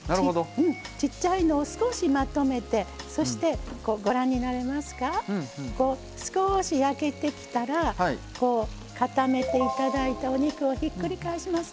ちっちゃいのを少しまとめてそして、ご覧になれますか少し焼けてきたら固めていただいたお肉をひっくり返します。